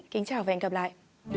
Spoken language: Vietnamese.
kính chào và hẹn gặp lại